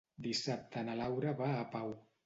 Dissabte na Laura va a Pau.